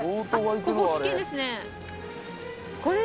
ここ危険ですね。